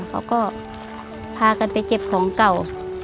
เขาก็พากันไปเก็บของเก่า